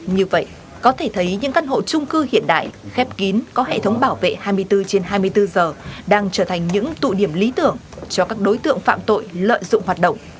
như vậy có thể thấy những căn hộ trung cư hiện đại khép kín có hệ thống bảo vệ hai mươi bốn trên hai mươi bốn giờ đang trở thành những tụ điểm lý tưởng cho các đối tượng phạm tội lợi dụng hoạt động